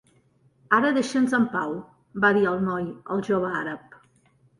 "Ara deixa'ns en pau", va dir el noi al jove àrab.